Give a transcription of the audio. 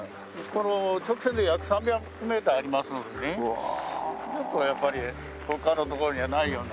この直線で約３００メーターありますのでねちょっとやっぱり他の所にはないような。